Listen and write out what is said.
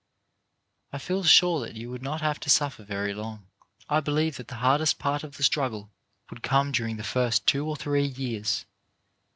I feel sure that you would not have to suffer very long. I believe that the hardest part of the struggle would come during the first two or three years.